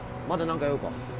まだ何か用か？